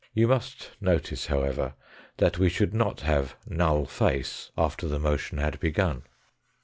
You must notice, however, that we should not have null face after the motion had begun.